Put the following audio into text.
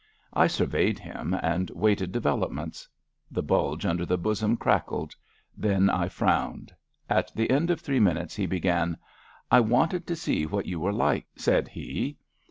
I surveyed him, and waited de velopments. The bulge under the bosom crackled. Then I frowned. At the end of three minutes he began. I wanted to see what you were like,'* said he.